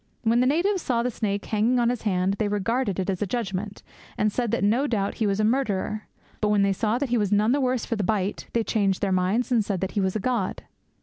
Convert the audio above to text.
When the natives saw the snake hanging on his hand, they regarded it as a judgement, and said that no doubt he was a murderer. But when they saw that he was none the worse for the bite, 'they changed their minds, and said that he was a god!'